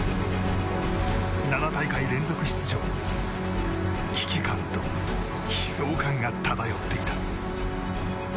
７大会連続出場に危機感と悲壮感が漂っていた。